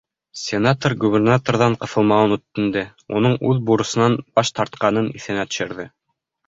Сенатор губернаторҙан ҡыҫылмауын үтенде, уның үҙ бурысынан баш тартҡанын иҫенә төшөрҙө.